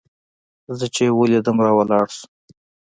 زه چې يې ولېدلم راولاړ سو.